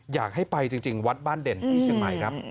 อยากให้ไปจริงวัดบ้านเด่นที่เชียงใหม่ครับ